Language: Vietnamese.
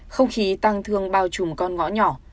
không khí tăng thương bao trùm con ngõ nhỏ